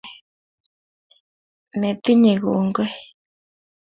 netinye kongoi